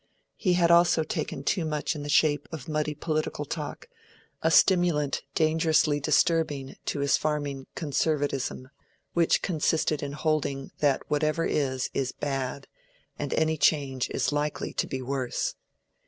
He had also taken too much in the shape of muddy political talk, a stimulant dangerously disturbing to his farming conservatism, which consisted in holding that whatever is, is bad, and any change is likely to be worse.